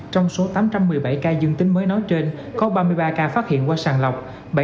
trong số tám trăm một mươi bảy ca dương tính mới nói trên có ba mươi ba ca phát hiện qua sàng lọc